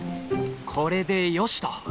これでよしと。